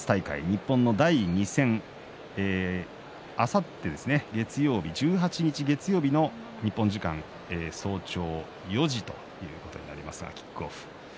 日本の第２戦あさって月曜日、１８日月曜日の日本時間早朝４時ということになりますがキックオフ。